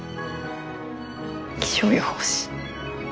気象予報士。